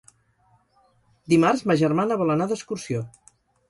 Dimarts ma germana vol anar d'excursió.